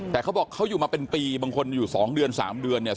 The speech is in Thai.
แต่เขาบอกเขาอยู่มาเป็นปีบางคนอยู่๒เดือน๓เดือนเนี่ย